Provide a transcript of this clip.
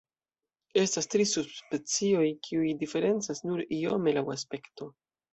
Estas tri subspecioj, kiuj diferencas nur iome laŭ aspekto.